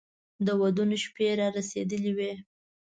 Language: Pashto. د ودونو شپې را رسېدلې وې.